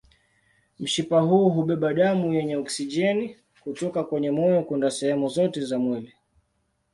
Mshipa huu hubeba damu yenye oksijeni kutoka kwenye moyo kwenda sehemu zote za mwili.